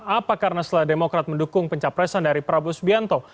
apa karena setelah demokrat mendukung pencapresan dari prabowo subianto